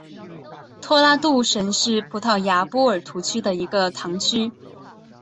托拉杜什是葡萄牙波尔图区的一个堂区。